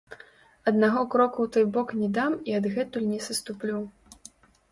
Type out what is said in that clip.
Аднаго кроку ў той бок не дам і адгэтуль не саступлю.